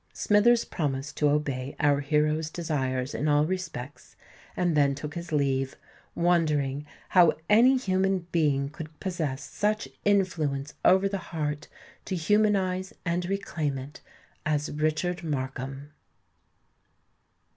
Smithers promised to obey our hero's desires in all respects, and then took his leave,—wondering how any human being could possess such influence over the heart, to humanize and reclaim it, as Richard Markham.